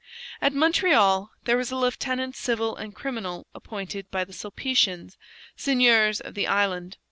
At Montreal there was a lieutenant civil and criminal appointed by the Sulpicians, seigneurs of the island.